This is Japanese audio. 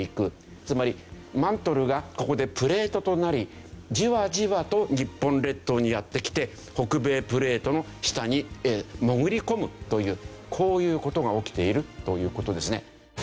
つまりマントルがここでプレートとなりじわじわと日本列島にやって来て北米プレートの下に潜り込むというこういう事が起きているという事ですね。